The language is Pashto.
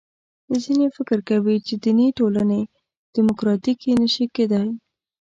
ځینې فکر کوي چې دیني ټولنې دیموکراتیکې نه شي کېدای.